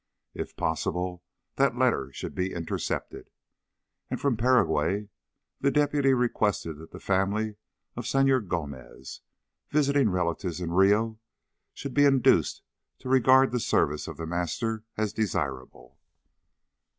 If possible, that letter should be intercepted. And from Paraguay the deputy requested that the family of Senor Gomez, visiting relatives in Rio, should be induced to regard the service of The Master as desirable....